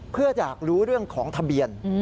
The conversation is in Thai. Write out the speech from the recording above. เพื่ออยากรู้เรื่องของทะเบียน